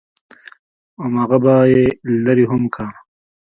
همغه به يې لرې هم کا.